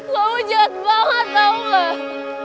kamu jahat banget tahu nggak